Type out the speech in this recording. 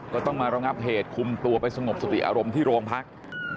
ก็ต้องมาระงับเหตุคุมตัวไปสงบสติอารมณ์ที่โรงพัก